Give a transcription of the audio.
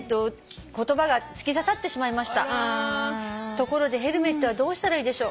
「ところでヘルメットはどうしたらいいでしょう」